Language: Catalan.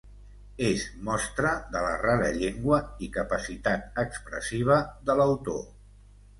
Es mostra de la rara llengua - i capacitat expressiva - de l'autor.